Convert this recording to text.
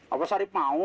apa sarip mau